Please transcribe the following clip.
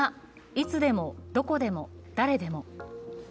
いつでも、どこでも、誰でも」。